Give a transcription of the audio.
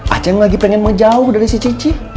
aceh lagi pengen mau jauh dari si cici